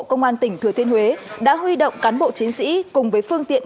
công an tỉnh thừa thiên huế đã huy động cán bộ chiến sĩ cùng với phương tiện